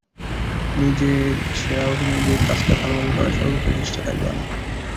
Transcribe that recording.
নিজের সেরা অভিনয় দিয়ে কাজটা ভালোভাবে করার সর্বোচ্চ চেষ্টা থাকবে আমার।